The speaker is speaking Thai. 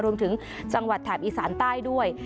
รวมถึงจังหวัดแถบอีสานใต้ด้วย